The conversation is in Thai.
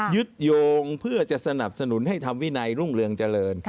ยึดโยงเพื่อจะสนับสนุนให้ทำวินัยรุ่งเรืองเจริญ